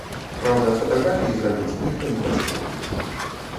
Праўда, фатаграфій зрабіць ніхто не паспеў.